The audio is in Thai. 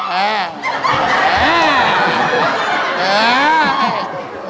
อาหารการกิน